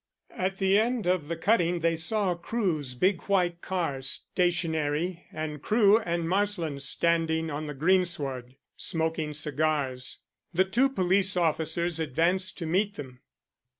At the end of the cutting, they saw Crewe's big white car, stationary, and Crewe and Marsland standing on the greensward smoking cigars. The two police officers advanced to meet them.